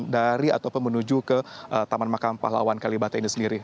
dari ataupun menuju ke tmp pahlawan kalibata ini sendiri